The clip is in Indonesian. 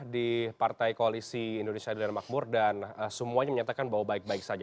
di partai koalisi indonesia adil makmur dan semuanya menyatakan bahwa baik baik saja